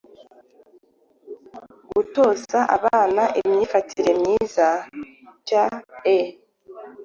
gutoza abana imyifatire myiza cyae.